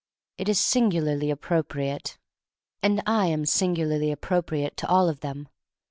It is singularly appropri ate. And I am singularly appropriate to all of them.